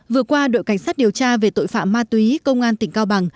vừa qua đội cảnh sát điều tra về tội phạm ma túy công an tỉnh cao bằng